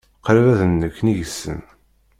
Qṛib ad d-nekk nnig-nsen.